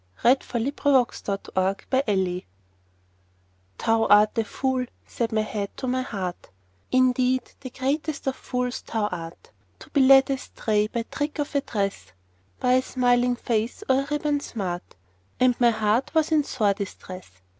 Paul Laurence Dunbar Retort THOU art a fool," said my head to my heart, "Indeed, the greatest of fools thou art, To be led astray by trick of a tress, By a smiling face or a ribbon smart;" And my heart was in sore distress.